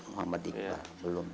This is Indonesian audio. muhammad iqbal belum